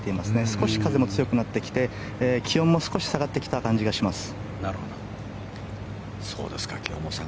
少し風も強くなってきて気温も少し下がってきた感じがします。